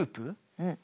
うん。